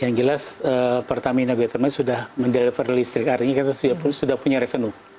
dan jelas pertamina geothermal sudah mendeliver listrik artinya kita sudah punya revenue